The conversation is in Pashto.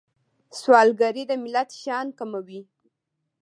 سوالګري د ملت شان کموي